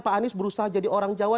pak anies berusaha jadi orang jawa